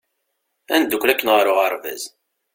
Ad ndukkel akken ɣer uɣeṛbaz!